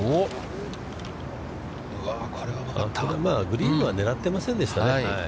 グリーンは狙ってませんでしたね。